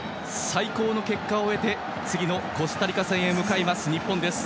最高の結果を得て次のコスタリカ戦へ向かう日本。